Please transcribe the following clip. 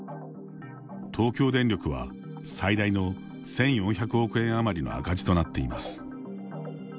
東京電力は最大の１４００億円余りの赤字となっています。